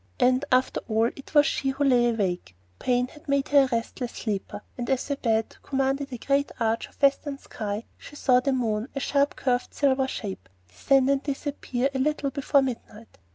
And after all it was she who lay awake. Pain had made her a restless sleeper, and as her bed commanded the great arch of western sky, she saw the moon, a sharp curved silver shape, descend and disappear a little before midnight.